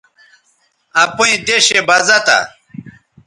اپئیں دیشےبزہ تھہ